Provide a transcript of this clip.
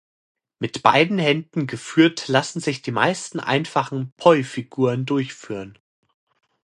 Mit beiden Händen geführt lassen sich die meisten einfachen Poi-Figuren durchführen.